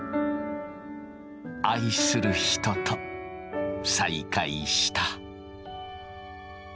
愛する人と再会した。